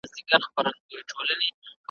مشر هم خیالي زامن وه زېږولي `